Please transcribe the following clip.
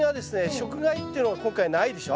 食害ってのが今回ないでしょ？